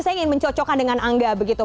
saya ingin mencocokkan dengan angga begitu